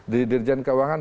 di dirjen keuangan